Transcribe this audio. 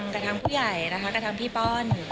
กระทั้งผู้ใหญ่นะคะกระทั้งพี่ป้อน